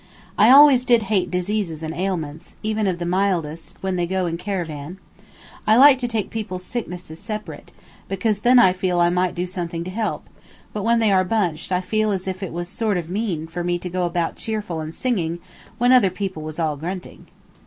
I always did hate diseases and ailments, even of the mildest, when they go in caravan. I like to take people's sicknesses separate, because then I feel I might do something to help; but when they are bunched I feel as if it was sort of mean for me to go about cheerful and singing when other people was all grunting.